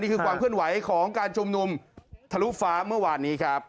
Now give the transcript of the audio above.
ความเคลื่อนไหวของการชุมนุมทะลุฟ้าเมื่อวานนี้ครับ